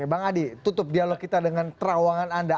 bang adi tutup dialog kita dengan terawangan anda